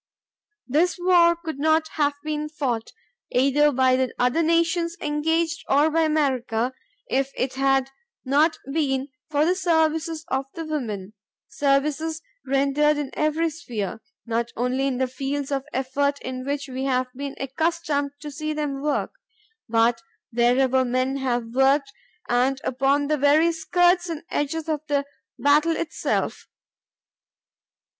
This war could not have been fought, either by the other nations engaged or by America, if it had not been for the services of the women,—services rendered in every sphere,—not only in the fields of effort in which we have been accustomed to see them work, but wherever men have worked and upon the very skirts and edges of the battle itself.